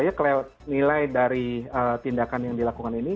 nah kalau menurut saya nilai dari tindakan yang dilakukan ini